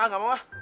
ah gak mau ah